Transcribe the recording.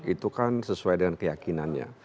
itu kan sesuai dengan keyakinannya